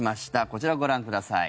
こちらをご覧ください。